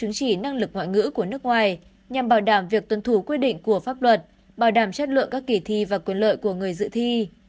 nhằm bảo đảm việc tuân thủ quy định của pháp luật bảo đảm chất lượng các kỷ thi và quyền lợi của người dự thi